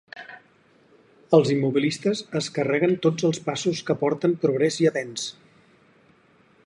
Els immobilistes es carreguen tots els passos que porten progrés i avenç!